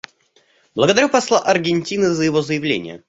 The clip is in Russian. Благодарю посла Аргентины за его заявление.